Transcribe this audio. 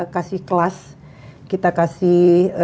kasih kelas kita kasih